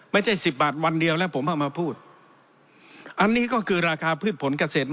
สิบบาทวันเดียวแล้วผมเอามาพูดอันนี้ก็คือราคาพืชผลเกษตร